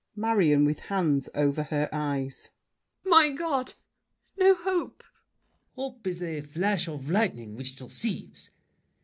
MARION (with hands over her eyes). My God! No hope! LAFFEMAS. Hope is a flash of lightning which deceives.